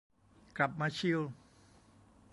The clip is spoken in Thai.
กลับมาชิล